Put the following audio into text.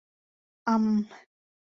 А-мм...